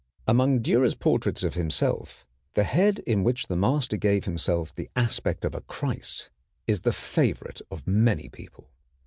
] Among Dürer's portraits of himself, the head in which the master gave himself the aspect of a Christ is the favorite of many people.